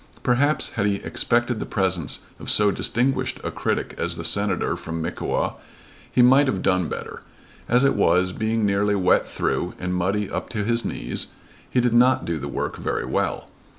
Perhaps had he expected the presence of so distinguished a critic as the Senator from Mickewa he might have done better. As it was, being nearly wet through and muddy up to his knees, he did not do the work very well.